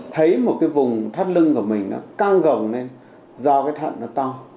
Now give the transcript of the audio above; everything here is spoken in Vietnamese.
thấy một cái vùng thắt lưng của mình nó căng gồng nên do cái thận nó to